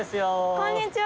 こんにちは！